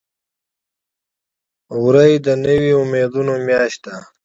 وری د نوي امیدونو میاشت ده.